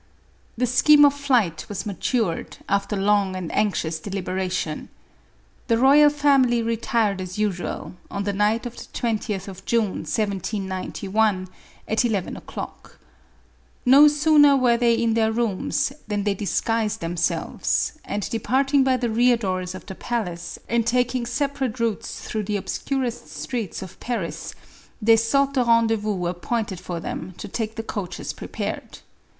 The scheme of flight was matured, after long and anxious deliberation. The royal family retired as usual, on the night of the 20th of June 1791, at eleven o'clock. No sooner were they in their rooms than they disguised themselves, and, departing by the rear doors of the palace and taking separate routes through the obscurest streets of Paris, they sought the rendez vous appointed for them to take the coaches prepared.